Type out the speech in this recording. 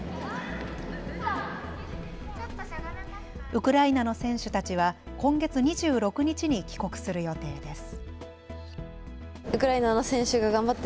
ウクライナの選手たちは今月２６日に帰国する予定です。